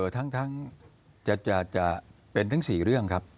ทั้งจะเป็นทั้ง๔เรื่องครับ